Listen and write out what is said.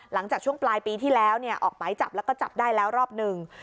หลังจากช่วงปลายปีที่แล้วออกหมายจับแล้วก็จับได้แล้วรอบหนึ่ง